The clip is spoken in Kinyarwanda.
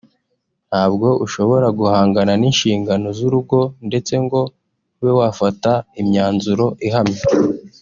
ntabwo ushobora guhangana n’inshingano z’urugo ndetse ngo ube wafata imyanzuro ihamye